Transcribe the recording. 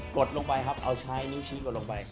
ดลงไปครับเอาใช้นิ้วชี้กดลงไป